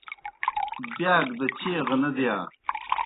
بِیاک دہ چیغہ نہ دِیا۔